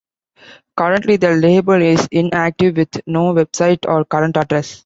Currently the label is inactive with no website or current address.